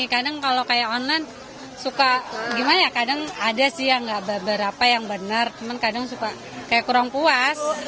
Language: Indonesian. kadang kalau kayak online suka gimana ya kadang ada sih yang gak beberapa yang benar cuman kadang suka kayak kurang puas